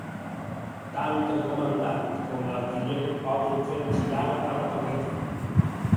Tant el comandant com l'artiller poden fer girar a la torreta.